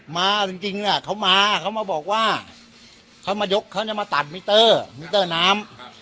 มาจริงเขามาเขามาบอกว่าเขามายกเขาจะมาตัดมิเตอร์มิเตอร์น้ำ